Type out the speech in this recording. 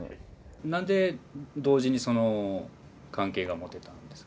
なんで同時にその関係が持てたんですか？